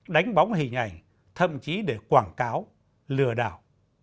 đánh bóng hình ảnh thậm chí để quảng cáo lừa đảo